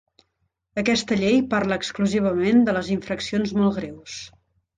Aquesta llei parla exclusivament de les infraccions molt greus.